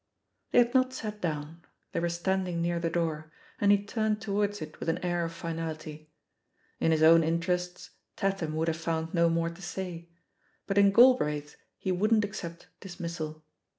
They had not sat down; they were standing near the door, and he turned towards it with an air of finality. In his own interests, Tatham would have found no more to say, but in Gal braith's he wouldn't accept dismissal.